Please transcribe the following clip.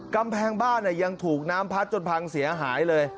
กำแพงบ้านยังถูกน้ำพัดจนพังเสียหายเลย